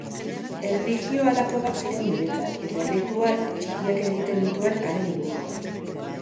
Erlijio halako bat ziren niretzat, eta erritual txikiak egiten nituen haren inguruan.